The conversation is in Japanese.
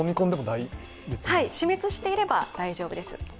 はい、死滅していれば大丈夫です。